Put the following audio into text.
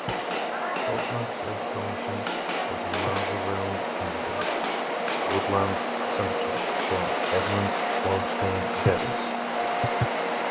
Hoffman's first commission was a mausoleum in the Woodlawn Cemetery for Edmund Walstein Davis.